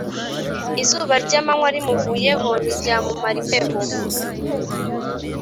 izuba ry’amanywa rimuvuyeho ntiryamumara imbeho,